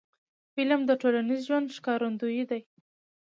فلم د ټولنیز ژوند ښکارندوی دی